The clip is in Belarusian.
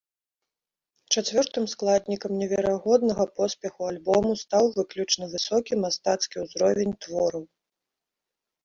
Чацвёртым складнікам неверагоднага поспеху альбому стаў выключна высокі мастацкі ўзровень твораў.